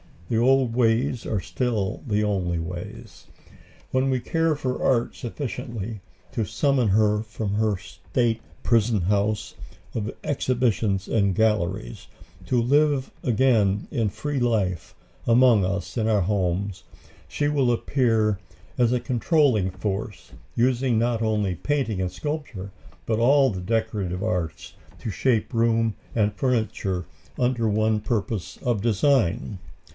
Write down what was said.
The old ways are still the only ways. When we care for art sufficiently to summon her from her state prison house of exhibitions and galleries, to live again a free life among us in our homes, she will appear as a controlling force, using not only painting and sculpture, but all the decorative arts to shape room and furniture under one purpose of design.